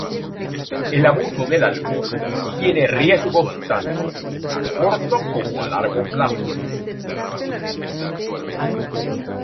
El abuso del alcohol tiene riesgos tanto a corto como a largo plazo.